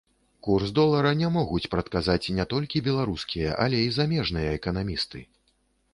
Курс долара не могуць прадказаць не толькі беларускія, але і замежныя эканамісты.